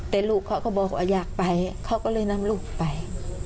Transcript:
แต่ลูกเขาก็บอกว่าอยากไปเขาก็เลยนำลูกไป